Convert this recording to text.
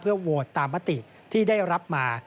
เพื่อโวตตามมัตติที่ได้รับมา